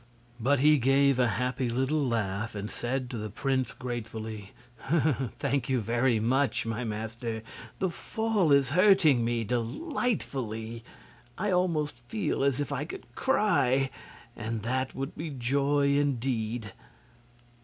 But he gave a happy little laugh, and said to the prince, gratefully: "Thank you very much, my master! The fall is hurting me delightfully. I almost feel as if I could cry, and that would be joy indeed!"